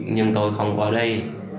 nhưng tôi không có đây